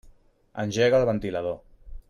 Engega el ventilador.